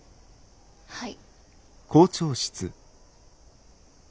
はい。